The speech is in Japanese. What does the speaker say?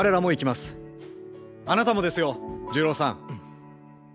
あなたもですよ重郎さん！